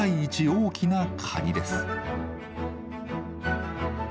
大きなカニです。